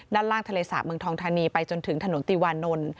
ด้านล่างทะเลสาบเมืองทองธานีไปจนถึงถนนติวานนท์